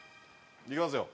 いきますよ。